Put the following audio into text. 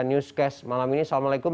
newscast malam ini assalamualaikum